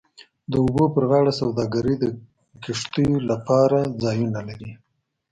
د اوبو پر غاړه سوداګرۍ د کښتیو لپاره ځایونه لري